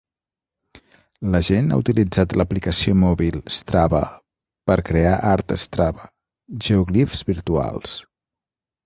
La gent ha utilitzat l'aplicació mòbil Strava per crear art Strava, geoglifs virtuals.